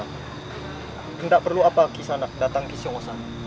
apa yang perlu diperlukan untuk ke sana